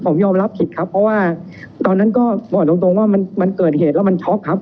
ผมยอมรับผิดครับเพราะว่าตอนนั้นก็บอกตรงว่ามันเกิดเหตุแล้วมันช็อกครับ